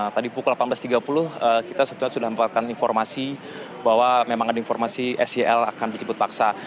tadi pukul delapan belas tiga puluh kita sebetulnya sudah mendapatkan informasi bahwa memang ada informasi sel akan dijemput paksa